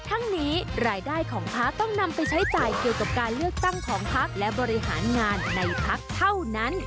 ทั้งนี้รายได้ของพักต้องนำไปใช้จ่ายเกี่ยวกับการเลือกตั้งของพักและบริหารงานในพักเท่านั้น